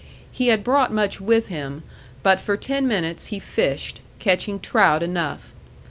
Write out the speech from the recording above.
He had brought much with him; but for ten minutes he fished, catching trout enough.